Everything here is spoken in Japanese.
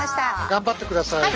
頑張ってください。